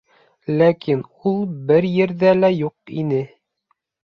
Ләкин ул бер ерҙә лә юҡ ине.